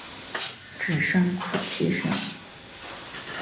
只剩哭泣声